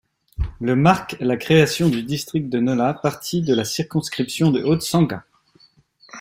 Le marque la création du District de Nola, partie de la circonscription de Haute-Sangha.